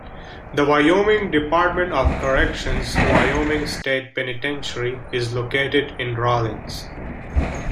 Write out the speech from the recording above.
The Wyoming Department of Corrections Wyoming State Penitentiary is located in Rawlins.